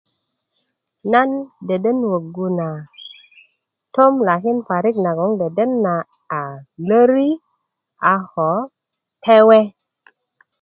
nan deden woggu na tom lakin parik nagoŋ nan deden na a löri ako tewe